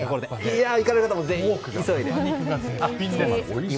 行かれる方はぜひ急いで。